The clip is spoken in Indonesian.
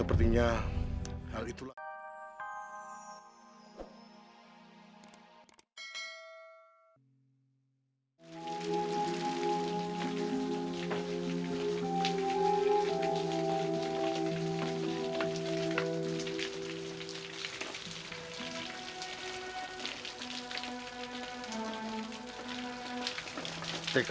terima kasih pak